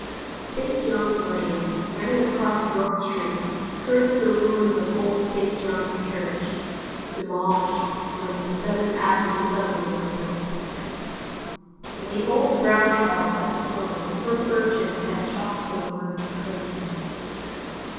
St. John's Lane, running across York Street, skirts the ruins of old St. John's Church, demolished when the Seventh Avenue subway was built. On the old brown house at the corner some urchin has chalked the word CRAZY.